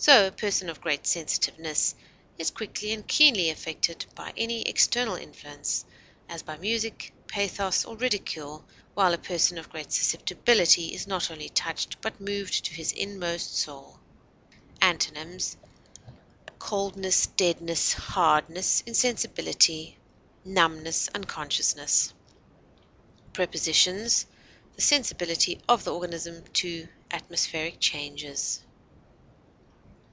So a person of great sensitiveness is quickly and keenly affected by any external influence, as by music, pathos, or ridicule, while a person of great susceptibility is not only touched, but moved to his inmost soul. Antonyms: coldness, hardness, insensibility, numbness, unconsciousness. deadness, Prepositions: The sensibility of the organism to atmospheric changes.